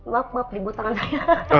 lepas dibuat tangan saya